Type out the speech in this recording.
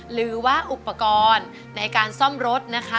หรือว่าอุปกรณ์ในการซ่อมรถนะคะ